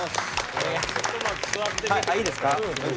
あいいですか？